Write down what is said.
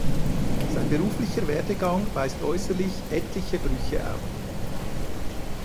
Sein beruflicher Werdegang weist äußerlich etliche Brüche auf.